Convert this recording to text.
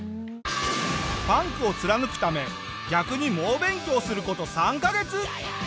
パンクを貫くため逆に猛勉強する事３カ月。